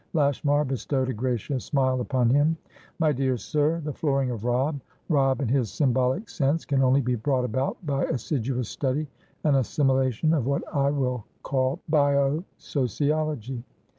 Lashmar bestowed a gracious smile upon him. "My dear sir, the flooring of RobbRobb in his symbolic sensecan only be brought about by assiduous study and assimilation of what I will call bio sociology.